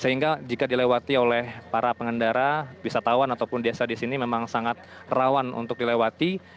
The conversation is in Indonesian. sehingga jika dilewati oleh para pengendara wisatawan ataupun desa di sini memang sangat rawan untuk dilewati